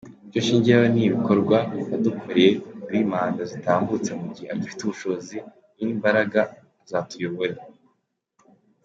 Icyo nshingiraho ni ibikorwa yadukoreye muri manda zitambutse mugihe agifite ubushobozi n'imbaraga azatuyobore.